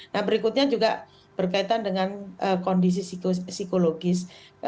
nah berikutnya juga berkaitan dengan kondisi psikologis